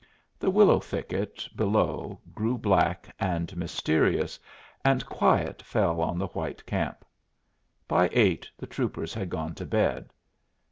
The willow thicket below grew black and mysterious, and quiet fell on the white camp. By eight the troopers had gone to bed.